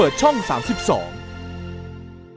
แล้วก็หุบเจ้าได้นายก็คือยังเป็นหุมเจ้าได้นาย